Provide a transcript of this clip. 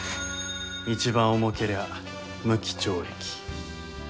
一番重けりゃ無期懲役。